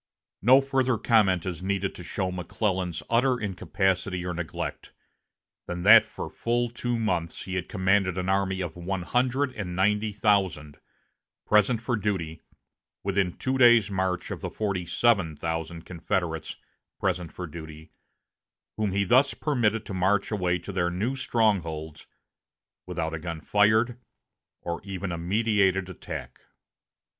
No further comment is needed to show McClellan's utter incapacity or neglect, than that for full two months he had commanded an army of one hundred and ninety thousand, present for duty, within two days' march of the forty seven thousand Confederates, present for duty, whom he thus permitted to march away to their new strongholds without a gun fired or even a meditated attack.